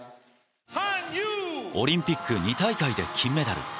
オリンピック２大会で金メダル。